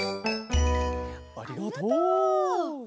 ありがとう！